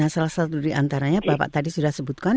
salah satu dari antaranya bapak tadi sudah sebutkan